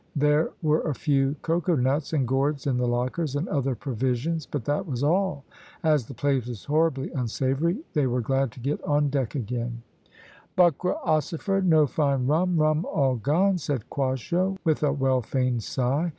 There were a few cocoa nuts and gourds in the lockers, and other provisions, but that was all. As the place was horribly unsavoury, they were glad to get on deck again. "Buckra ossifer no find rum rum all gone!" said Quasho, with a well feigned sigh.